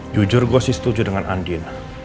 jujur gue sih setuju dengan andin